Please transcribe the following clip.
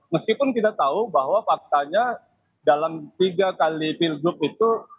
meskipun kita tahu bahwa faktanya dalam tiga kali pilgub itu